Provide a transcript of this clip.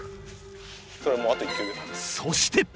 そして！